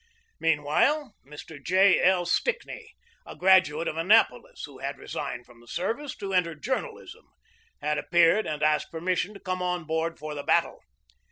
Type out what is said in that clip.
Meanwhile, Mr. J. L. Stickney, a graduate of Annapolis, who had resigned from the service to enter journalism, had appeared and asked permis sion to come on board for the battle.